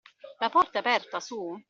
La porta è aperta, su?